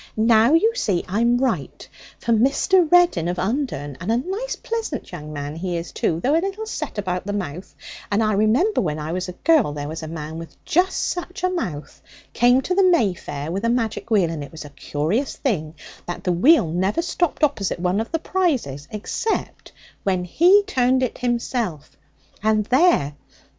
Now you see I'm right. For Mr. Reddin of Undern and a nice pleasant young man he is, too, though a little set about the mouth and I remember when I was a girl there was a man with just such a mouth came to the May fair with a magic wheel, and it was a curious thing that the wheel never stopped opposite one of the prizes except when he turned it himself; and there!